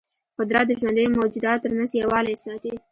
قدرت د ژوندیو موجوداتو ترمنځ یووالی ساتي.